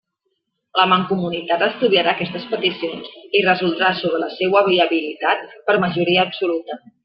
La Mancomunitat estudiarà aquestes peticions i resoldrà sobre la seua viabilitat, per majoria absoluta.